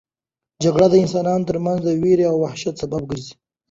جګړه د انسانانو ترمنځ د وېرې او وحشت سبب ګرځي.